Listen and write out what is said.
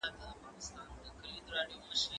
زه پرون کتابونه لوستل کوم؟!